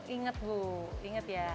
ingat bu inget ya